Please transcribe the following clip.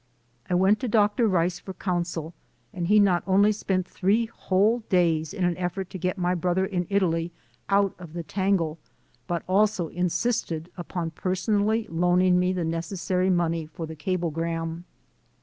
I went to Dr. Rice for counsel, and he not only spent three whole days in an effort to get my brother in Italy out of the tangle, but also in sisted upon personally loaning me the necessary money for the cablegram.